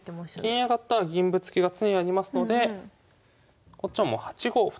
金上がったら銀ぶつけが常にありますのでこっちはもう８五歩と。